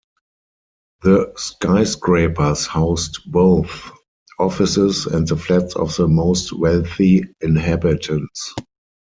The skyscrapers housed both offices and the flats of the most wealthy inhabitants.